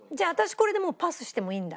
これでもうパスしてもいいんだ？